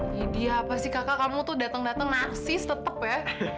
jadi apa sih kakak kamu tuh dateng dua naksis tetep ya